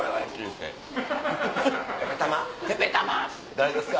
「誰ですか？」。